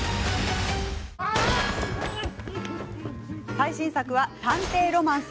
最新作は「探偵ロマンス」。